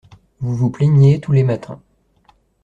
Vous vous plaigniez tous les matins.